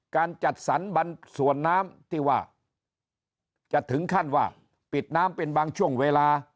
การจัดสรรส่วนน้ำที่ว่าจะถึงขั้นว่าปิดน้ำเป็นบางช่วงเวลา